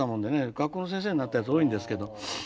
学校の先生になったやつ多いんですけど。